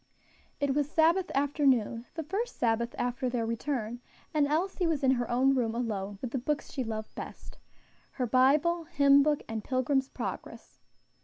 It was Sabbath afternoon the first Sabbath after their return and Elsie was in her own room alone with the books she loved best her Bible, hymnbook, and "Pilgrim's Progress."